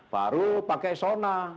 baru pakai sona